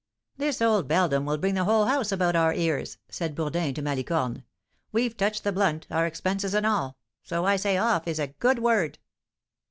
"This old beldam will bring the whole house about our ears," said Bourdin to Malicorne; "we've touched the blunt, our expenses and all, so I say 'Off' is a good word."